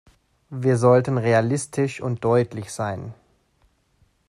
Wir sollten realistisch und deutlich sein.